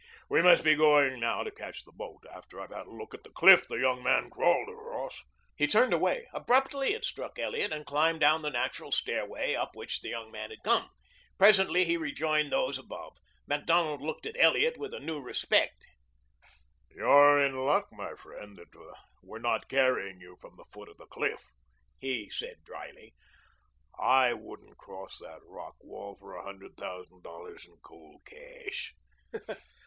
We must be going now to catch the boat after I've had a look at the cliff this young man crawled across." He turned away, abruptly it struck Elliot, and climbed down the natural stairway up which the young man had come. Presently he rejoined those above. Macdonald looked at Elliot with a new respect. "You're in luck, my friend, that we're not carrying you from the foot of the cliff," he said dryly. "I wouldn't cross that rock wall for a hundred thousand dollars in cold cash."